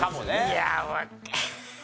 いや。